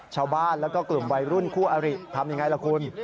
ชาวบ้านแล้วก็กลุ่มวัยรุ่นคู่อริทำอย่างไรล่ะคุณ